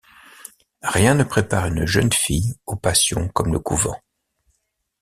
Rien ne prépare une jeune fille aux passions comme le couvent.